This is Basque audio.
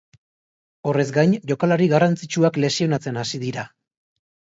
Horrez gain, jokalari garrantzitsuak lesionatzen hasi dira.